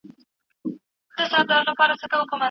د هغه په باور پرمختیا د رفاه ښه والی دی.